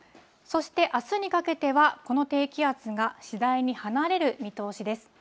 そしてあすのかけては、この低気圧が次第に離れる見通しです。